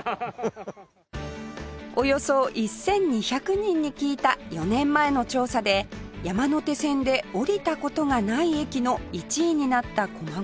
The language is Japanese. およそ１２００人に聞いた４年前の調査で山手線で降りた事がない駅の１位になった駒込ですが